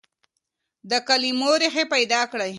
د کلمو ريښې پيدا کړئ.